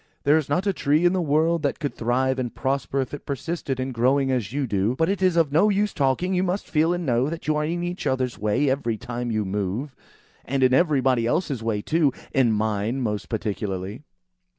"There is not a tree in the world that could thrive and prosper, if it persisted in growing as you do. But it is of no use talking! You must feel and know that you are in each other's way every time you move; and in everybody else's way too. In mine, most particularly."